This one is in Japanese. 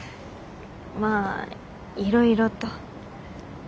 まあいろいろと。